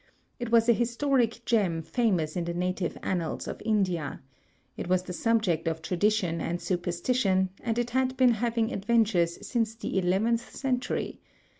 It was a historic gem famous in the native annals of India. It was the subject of tradition and superstition, and it had been having adven tures since the eleventh century.